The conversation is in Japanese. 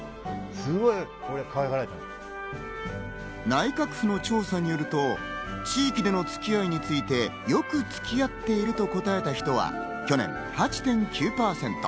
内閣府の調査によると、地域での付き合いについて、よく付き合っていると答えた人は、去年８．９％。